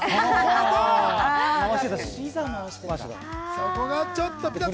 そこがちょっと。